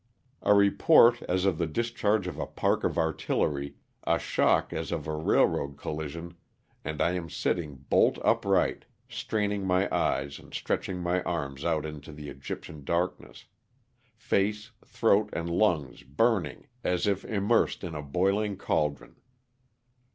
A report as of the discharge of a park of artillery, a shock as of a railroad collision, and I am sitting bolt upright, straining my eyes and stretching my arms out into the Egyptian darkness; face, throat and lungs burning as if immersed in a boiling cauldron.